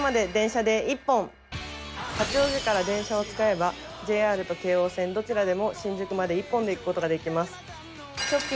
八王子から電車を使えばＪＲと京王線どちらでも新宿まで１本で行くことができます。